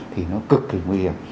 thì nó cực kỳ nguy hiểm